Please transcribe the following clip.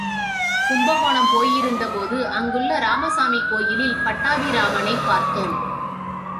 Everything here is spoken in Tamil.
கும்பகோணம் போயிருந்தபோது அங்குள்ள ராமசாமி கோயிலில் பட்டாபிராமனைப் பார்த்தோம்.